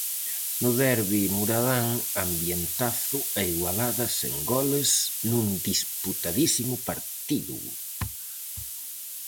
No derbi muradán ambientazo e igualada sen goles nun disputadísimo partido.